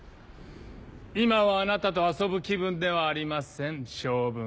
今はあなたと遊ぶ気分ではありません昌文